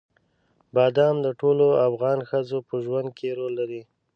بادام د ټولو افغان ښځو په ژوند کې رول لري.